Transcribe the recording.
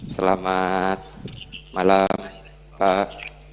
selamat malam pak